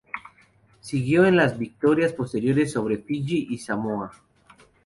Siguió en las dos victorias posteriores sobre Fiyi y Samoa.